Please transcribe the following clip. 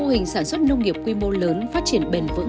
một số mô hình sản xuất nông nghiệp quy mô lớn phát triển bền vững